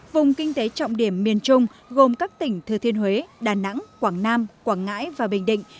vùng kinh tế trọng điểm miền trung gồm các tỉnh thừa thiên huế đà nẵng quảng nam quảng ngãi và bình định